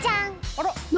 あら。